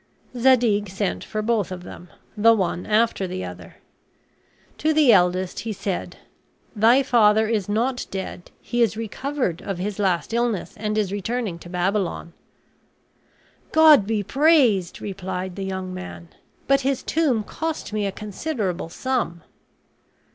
Zadig sent for both of them, the one after the other. To the eldest he said: "Thy father is not dead; he is recovered of his last illness, and is returning to Babylon." "God be praised," replied the young man; "but his tomb cost me a considerable sum."